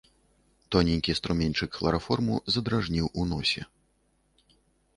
Тоненькі струменьчык хлараформу задражніў у носе.